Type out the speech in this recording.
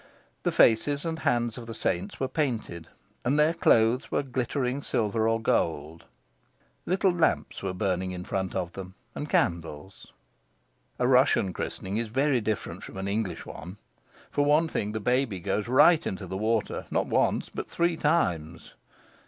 The faces and hands of the saints were painted, and their clothes were glittering silver or gold. Little lamps were burning in front of them, and candles. A Russian christening is very different from an English one. For one thing, the baby goes right into the water, not once, but three times.